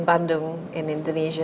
di bandung di indonesia